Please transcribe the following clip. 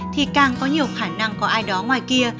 thì càng có nhiều khả năng có ai đó ngoài kia